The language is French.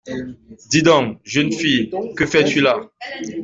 Dis-donc, jeune fille, que fais-tu là?